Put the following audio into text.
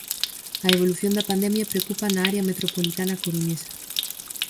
A evolución da pandemia preocupa na área metropolitana coruñesa.